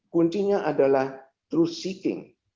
kuncinya adalah truth seeking